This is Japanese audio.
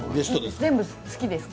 全部好きですか？